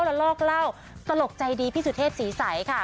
ละลอกเล่าตลกใจดีพี่สุเทพศรีใสค่ะ